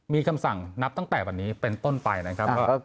มีคำสั่งนับตั้งแต่วันนี้เป็นต้นไปนะครับ